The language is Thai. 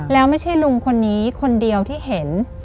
แล้วไม่ใช่ลุงคนนี้คนเดียวที่เห็น